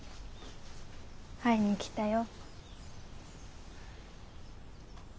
会いに来たよ。